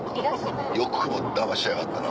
よくもだましやがったな。